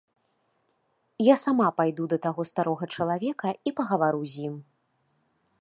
Я сама пайду да таго старога чалавека і пагавару з ім.